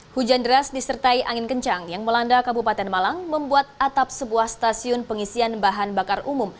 hujan deras disertai angin kencang yang melanda kabupaten malang membuat atap sebuah stasiun pengisian bahan bakar umum